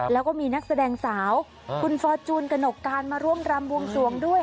แล้วก็มีนักแสดงสาวคุณฟอร์จูนกระหนกการมาร่วมรำบวงสวงด้วย